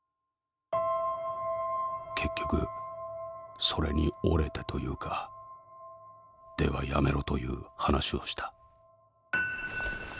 「結局それに折れてというかではやめろという話をした」。